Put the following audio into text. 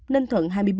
ninh thuận hai mươi bốn